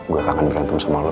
gue kangen berantem sama lo